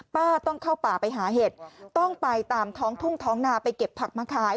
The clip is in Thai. ป้าต้องเข้าป่าไปหาเห็ดต้องไปตามท้องทุ่งท้องนาไปเก็บผักมาขาย